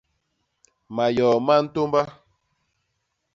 Mayoo ma ntômba.